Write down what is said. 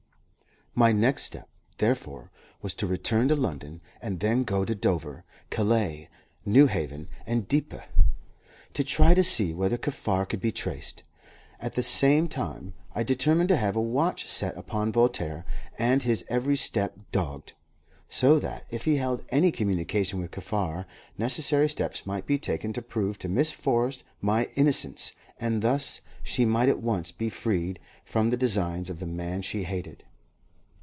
My next step, therefore, was to return to London, and then go to Dover, Calais, Newhaven, and Dieppe, to try to see whether Kaffar could be traced. At the same time, I determined to have a watch set upon Voltaire, and his every step dogged, so that, if he held any communication with Kaffar, necessary steps might be taken to prove to Miss Forrest my innocence, and thus she might at once be freed from the designs of the man she hated.